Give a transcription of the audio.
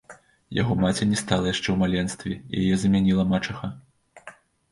Яго маці не стала яшчэ ў маленстве, і яе замяніла мачаха.